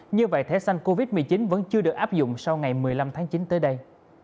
như vậy thẻ xanh covid một mươi chín vẫn chưa được áp dụng sau ngày một mươi năm tháng chín tới đây